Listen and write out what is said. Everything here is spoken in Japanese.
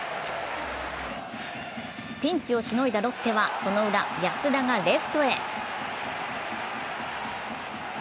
ピンチをしのいだロッテはそのウラ、安田がレフトへ。